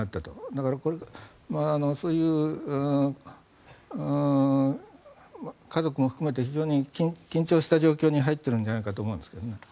だから、家族も含めて非常に緊張した状態に入っているんじゃないかと思うんですけどね。